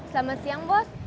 selamat siang bos